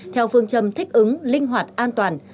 theo phương châm thích ứng linh hoạt an toàn